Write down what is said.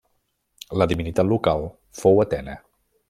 La divinitat local fou Atena.